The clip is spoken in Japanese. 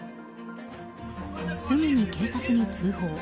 すぐに警察に通報。